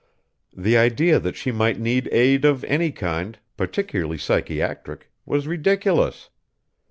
The idea that she might need aid of any kind, particularly psychiatric, was ridiculous.